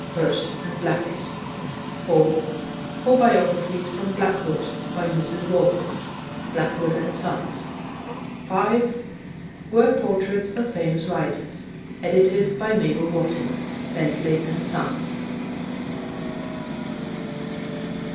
(Hurst and Blackett.) (4) Four Biographies from 'Blackwood.' By Mrs. Walford. (Blackwood and Sons.) (5) Word Portraits of Famous Writers. Edited by Mabel Wotton. (Bentley and Son.)